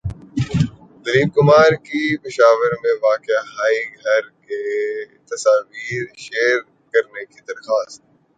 دلیپ کمار کی پشاور میں واقع بائی گھر کی تصاویر شیئر کرنے کی درخواست